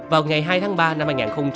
vào ngày hai tháng ba năm hai nghìn hai mươi